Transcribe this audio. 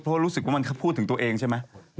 เพราะรู้สึกว่ามันพูดถึงตัวเองใช่ไหม